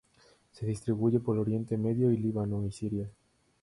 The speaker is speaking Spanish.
Se distribuye por Oriente Medio, en Líbano y Siria.